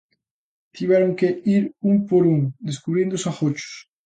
Tiveron que ir un por un, descubrindo os agochos.